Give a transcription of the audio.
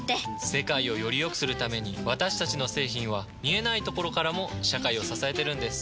世界をよりよくするために私たちの製品は見えないところからも社会を支えてるんです。